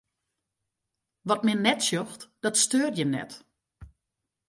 Wat men net sjocht, dat steurt jin net.